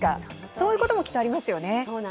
そういうことも、きっとありますよね。